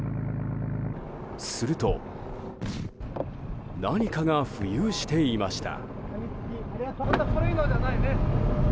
すると何かが浮遊していました。